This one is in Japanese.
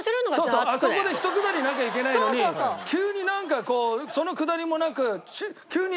あそこでひとくだりなきゃいけないのに急になんかそのくだりもなく。